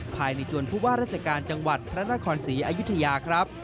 ภายในจวนผู้ว่าราชการจังหวัดพระนครศรีอยุธยาครับ